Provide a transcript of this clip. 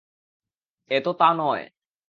এ তো তা নয়।